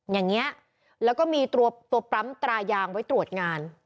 อย่างนี้แล้วก็มีตัวปั๊มตรายางไว้ตรวจงาน